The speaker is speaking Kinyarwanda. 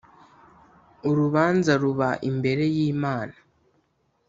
Urubanza ruba imbere y’ Imana.